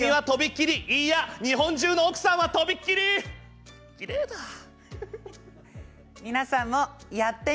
君はとびっきりいいや日本中の奥さんはとびっきりきれいだ！